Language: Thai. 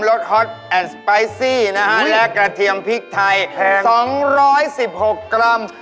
สฮอตแอนด์สไปซี่นะฮะและกระเทียมพริกไทย๒๑๖กรัม